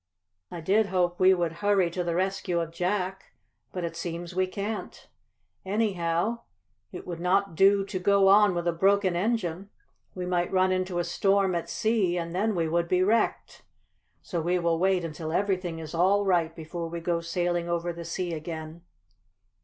"I did hope we would hurry to the rescue of Jack, but it seems we can't. Anyhow it would not do to go on with a broken engine. We might run into a storm at sea and then we would be wrecked. So we will wait until everything is all right before we go sailing over the sea again."